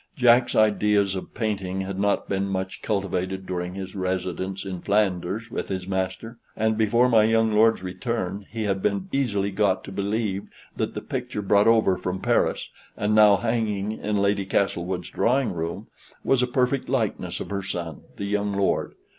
Jack's ideas of painting had not been much cultivated during his residence in Flanders with his master; and, before my young lord's return, he had been easily got to believe that the picture brought over from Paris, and now hanging in Lady Castlewood's drawing room, was a perfect likeness of her son, the young lord.